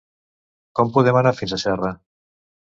Com podem anar fins a Serra?